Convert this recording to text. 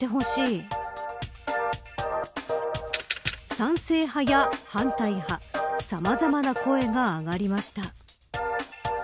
賛成派や反対派さまざまな声が上がりました。